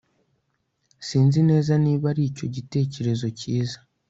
Sinzi neza niba aricyo gitekerezo cyiza